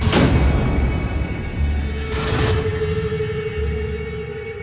ชื่อฟอยแต่ไม่ใช่แฟง